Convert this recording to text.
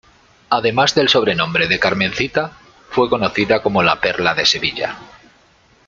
Además del sobrenombre de Carmencita, fue conocida como La Perla de Sevilla.